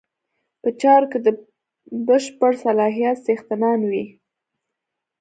په چارو کې د بشپړ صلاحیت څښتنان وي.